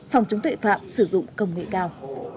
phòng chống tội phạm sử dụng công nghệ cao